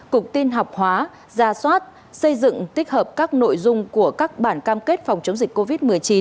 cục tin học hóa gia soát xây dựng tích hợp các nội dung của các bản cam kết phòng chống dịch covid một mươi chín